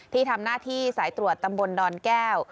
ที่ทำหน้าที่สายตรวจตำบลดอนแก้ว